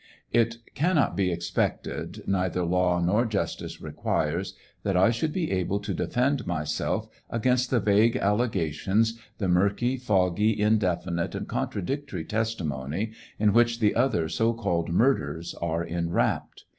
It cannot be expected, neither law nor justice requires, that I should be able to defend myself against the vague allegations, the murky, foggy, indefinite, and contradictory testimony, in which the other so called murders are enwrapped.